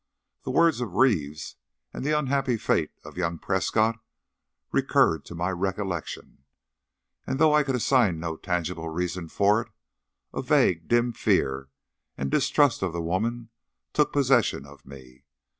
The words of Reeves and the unhappy fate of young Prescott recurred to my recollection, and though I could assign no tangible reason for it, a vague, dim fear and distrust of the woman took possession of me.